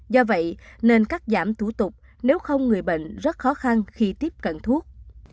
do vậy nên cắt giảm thủ tục nếu không người bệnh rất khó khăn khi tiếp cận thuốc